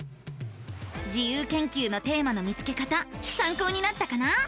自由研究のテーマの見つけ方さんこうになったかな？